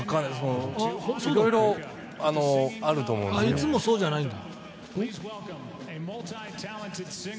いつもそうじゃないんだ。